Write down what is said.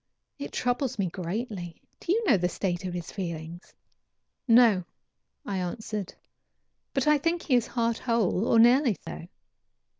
It troubles me greatly. Do you know the state of his feelings?" "No," I answered, "but I think he is heart whole, or nearly so.